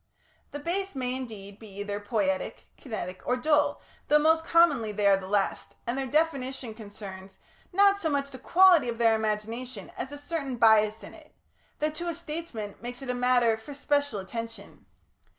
The Base may, indeed, be either poietic, kinetic, or dull, though most commonly they are the last, and their definition concerns not so much the quality of their imagination as a certain bias in it, that to a statesman makes it a matter for special attention.